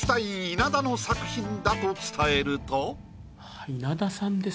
稲田の作品だと伝えると。